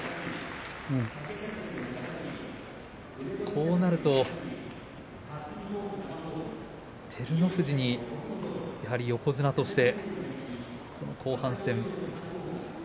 こうなると照ノ富士にやはり横綱として後半戦。